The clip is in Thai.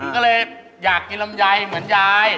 ก็เลยอยากกินลำไยเหมือนยาย